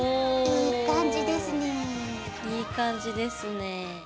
いい感じですね。